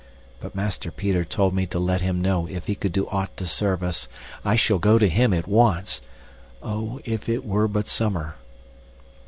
But Master Peter told me to let him know if he could do aught to serve us. I shall go to him at once. Oh, if it were but summer!